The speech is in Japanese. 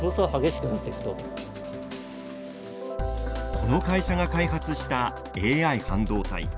この会社が開発したＡＩ半導体。